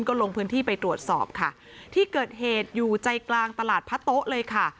ก็ลงพื้นที่ไปตรวจสอบค่ะที่เกิดเหตุอยู่ใจกลางตลาดพระโต๊ะเลยค่ะ